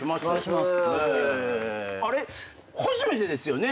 初めてですよね？